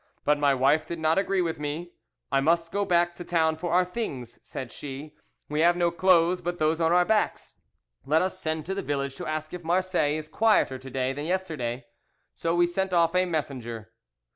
But my wife did not agree with me. 'I must go back to town for our things,' said she; 'we have no clothes but those on our backs. Let us send to the village to ask if Marseilles is quieter to day than yesterday.' So we sent off a messenger.